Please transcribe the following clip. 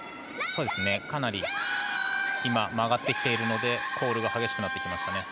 かなり今曲がってきているのでコールが激しくなってきました。